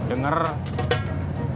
akaren ray put die